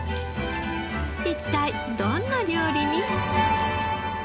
一体どんな料理に？